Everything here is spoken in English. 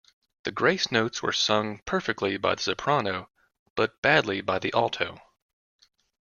The grace notes were sung perfectly by the soprano, but badly by the alto